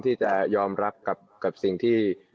ที่จะยอมรับกับสิ่งที่